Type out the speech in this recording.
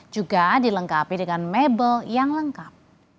juga dilengkapi dengan mebel yang lengkap